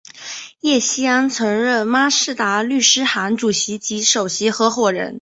叶锡安曾任孖士打律师行主席及首席合夥人。